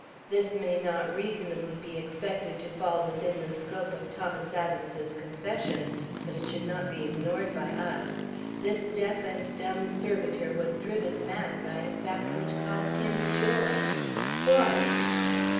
This may not reasonably be expected to fall within the scope of Thomas Adams's confession, but it should not be ignored by us. This deaf and dumb servitor was driven mad by the fact which caused him joy. Why?